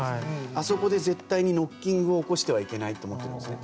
あそこで絶対にノッキングを起こしてはいけないと思ってるんですね。